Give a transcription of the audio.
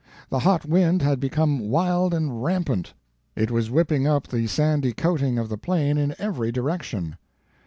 The hot wind had become wild and rampant. It was whipping up the sandy coating of the plain in every direction.